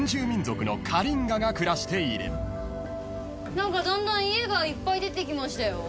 何かだんだん家がいっぱい出てきましたよ。